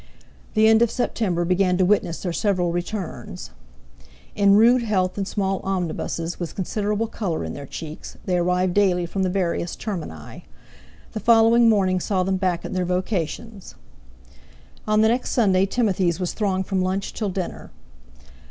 The end of September began to witness their several returns. In rude health and small omnibuses, with considerable colour in their cheeks, they arrived daily from the various termini. The following morning saw them back at their vocations. On the next Sunday Timothy's was thronged from lunch till dinner.